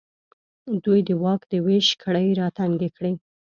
دوی د واک د وېش کړۍ راتنګې کړې.